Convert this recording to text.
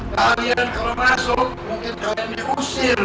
kalian kalau masuk mungkin kalian diusir